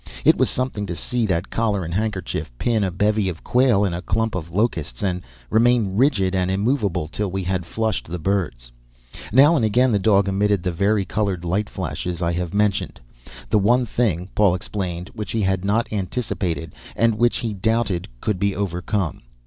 It was something to see that collar and handkerchief pin a bevy of quail in a clump of locusts and remain rigid and immovable till we had flushed the birds. Now and again the dog emitted the vari colored light flashes I have mentioned. The one thing, Paul explained, which he had not anticipated and which he doubted could be overcome.